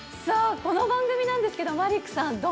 さあこの番組なんですけどマリックさん